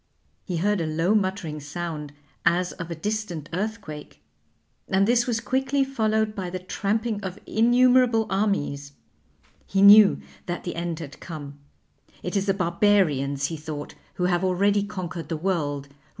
He heard a low muttering sound as of a distant earthquake, and this was quickly followed by the tramping of innumerable armies. He knew that the end had come. It is the Barbarians, he thought, who have already conquered the world.